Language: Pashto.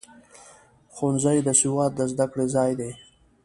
ښوونځی د سواد د زده کړې ځای دی.